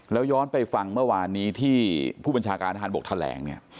แล้วย้อนไปฟังเมื่อวานนี้ที่ผู้บัญชาการทหารบกแถลงเนี่ย